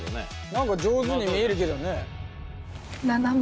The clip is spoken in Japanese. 何か上手に見えるけどね。